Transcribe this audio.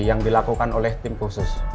yang dilakukan oleh tim khusus